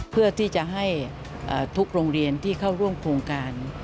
เพื่อที่จะให้ทุกโรงเรียนที่เข้าร่วมโครงการ